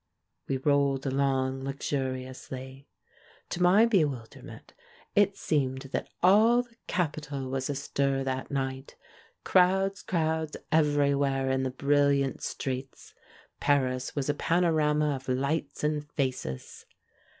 We rolled along luxuriously. To my bewil derment, it seemed that all the capital was astir that night. Crowds, crowds everywhere in the brilliant streets — Paris was a panorama of lights and faces.